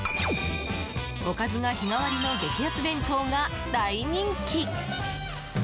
おかずが日替わりの激安弁当が大人気！